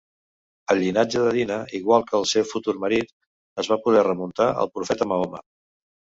El llinatge de Dina, igual que el seu futur marit, es va poder remuntar al profeta Mahoma.